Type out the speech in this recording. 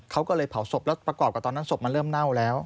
เขาก็เลยเผาศพแล้วประกอบกับตอนนั้นศพมันเริ่มเน่าแล้ว